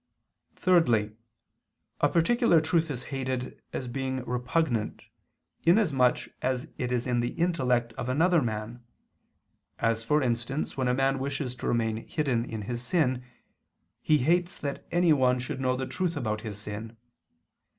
Thirdly, a particular truth is hated, as being repugnant, inasmuch as it is in the intellect of another man: as, for instance, when a man wishes to remain hidden in his sin, he hates that anyone should know the truth about his sin.